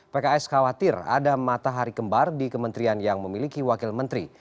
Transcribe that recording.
pks khawatir ada matahari kembar di kementerian yang memiliki wakil menteri